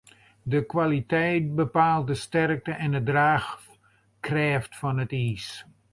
De kwaliteit bepaalt de sterkte en draachkrêft fan it iis.